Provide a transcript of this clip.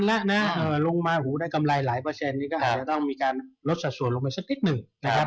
แล้วนะลงมาหูได้กำไรหลายเปอร์เซ็นนี่ก็อาจจะต้องมีการลดสัดส่วนลงไปสักนิดหนึ่งนะครับ